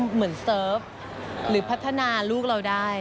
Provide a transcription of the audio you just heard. เหมือนเซิร์ฟหรือพัฒนาลูกเราได้